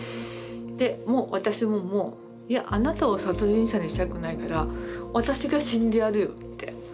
でもう私ももういやあなたを殺人者にしたくないから私が死んでやるよって。